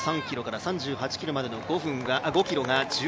３３ｋｍから３８ｋｍまでの５ｋｍが１４分５秒。